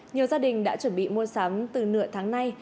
nhiều gia đình đã chuẩn bị mua sắm từ nửa tháng nay